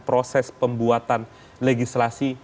proses pembuatan legislasi